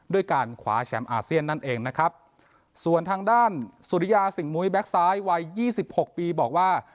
ด้วยการขวาแชมป์อาเซียนนั่นเองนะครับส่วนทางด้านสุริยาสิ่งมุยแบ็คซ้ายวัยยี่สิบหกปีบอกว่า